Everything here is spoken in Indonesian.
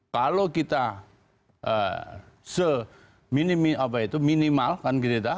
kalau kita se minim apa itu minimal kan gitu